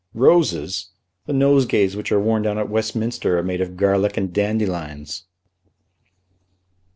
"Roses! The nosegays which are worn down at Westminster are made of garlick and dandelions!"